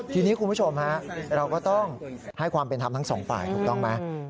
ทีนี้คุณผู้ชมฮะเราก็ต้องให้ความเป็นธรรมทั้งสองฝ่ายถูกต้องไหม